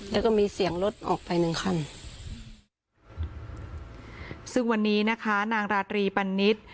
แล้วก็มีเสียงรถออกไปหนึ่งคันซึ่งวันนี้นะคะนางราตรีปันนิษฐ์